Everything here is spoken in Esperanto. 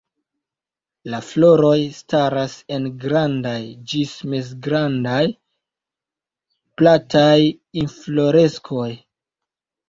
La floroj staras en grandaj ĝis mezgrandaj, plataj infloreskoj.